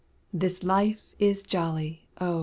This life is jolly, O!